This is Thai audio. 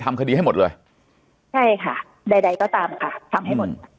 ทำคดีให้หมดเลยใช่ค่ะใดใดก็ตามค่ะทำให้หมด